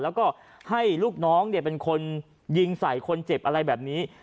แล้วก็ให้ลูกน้องเป็นคนยิงใส่คนเจ็บอะไรแบบนี้